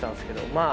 まあ